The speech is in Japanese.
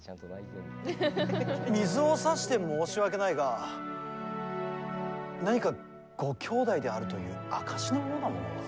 水をさして申し訳ないが何か、ご兄弟であるという証しのようなものは。